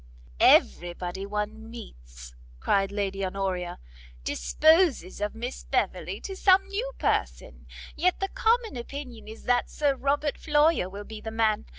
"Everybody one meets," cried Lady Honoria, "disposes of Miss Beverley to some new person; yet the common opinion is that Sir Robert Floyer will be the man.